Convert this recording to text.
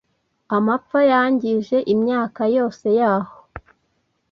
Amapfa yangije imyaka yose yaho.